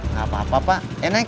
gak apa apa pak enak